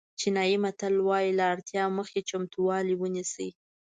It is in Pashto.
چینایي متل وایي له اړتیا مخکې چمتووالی ونیسئ.